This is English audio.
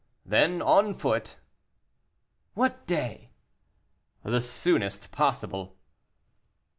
"Then, on foot." "What day?" "The soonest possible."